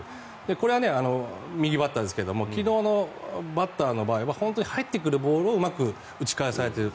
これは右バッターですけど昨日のバッターの場合は本当に入ってくるボールをうまく打ち返されている。